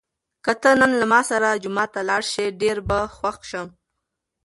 که ته نن له ما سره جومات ته لاړ شې، ډېر به خوښ شم.